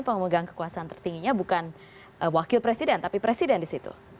pemegang kekuasaan tertingginya bukan wakil presiden tapi presiden di situ